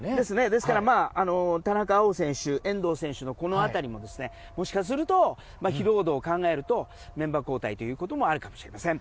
ですから田中碧選手、遠藤選手のこの辺りももしかすると疲労度を考えるとメンバー交代ということもあるかもしれません。